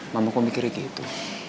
mama kok mikirnya gitu